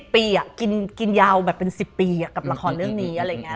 ปีกินยาวแบบเป็น๑๐ปีกับละครเรื่องนี้อะไรอย่างนี้